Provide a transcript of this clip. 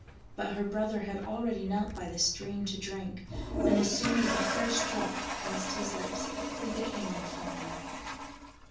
But her brother had already knelt by the stream to drink, and as soon as the first drop passed his lips he became a fawn.